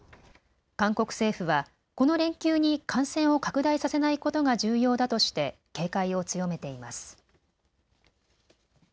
韓国政府はこの連休に感染を拡大させないことが重要だとして警戒を強めています。